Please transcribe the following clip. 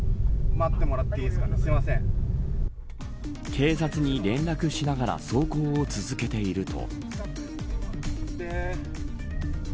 警察に連絡しながら走行を続けていると。